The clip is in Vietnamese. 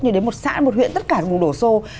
như đến một xã một huyện tất cả đổ xô